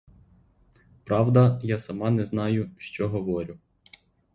Правда, я сама не знаю, що говорю.